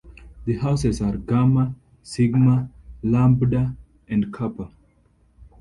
The houses are: Gamma, Sigma, Lambda and Kappa.